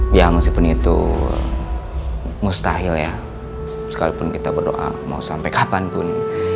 saya masih berharap catherine kembali seperti pak al yang kembali ke bu andin